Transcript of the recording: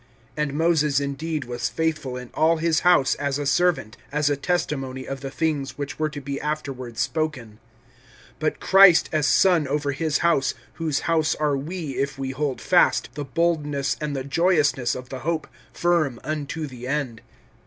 (5)And Moses indeed was faithful in all His house as a servant, as a testimony of the things which were to be afterward spoken; (6)but Christ as son over His house; whose house are we, if we hold fast the boldness and the joyousness of the hope firm unto the end[3:6].